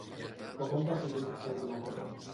Com han decidit seguir la ruta?